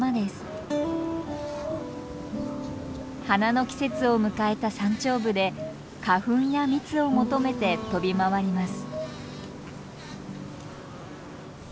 花の季節を迎えた山頂部で花粉や蜜を求めて飛び回ります。